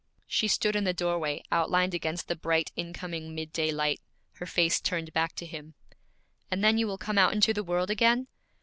She stood in the doorway, outlined against the bright incoming mid daylight, her face turned back to him. 'And then you will come out into the world again?